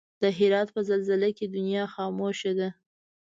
د هرات په زلزله دنيا خاموش ده